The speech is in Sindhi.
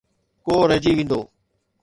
ڪو رهجي ويندو.